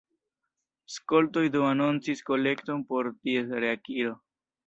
Skoltoj do anoncis kolekton por ties reakiro.